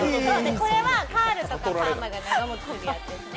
これはカールとかパーマが長もちするやつね。